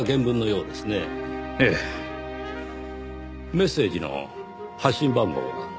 メッセージの発信番号は？